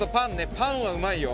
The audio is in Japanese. パンはうまいよ。